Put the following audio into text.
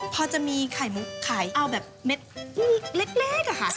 เพราะจะมีไข่มุกขายแบบเม็ดเล็กค่ะ